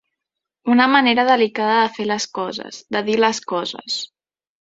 Una manera delicada de fer les coses, de dir les coses.